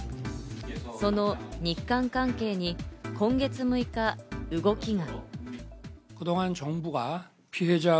その日韓関係に今月６日、動きが。